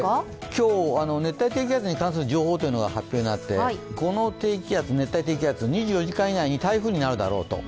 今日、熱帯低気圧に関する情報というのが発表になって、この熱帯低気圧２４時間以内に台風になるだろうと。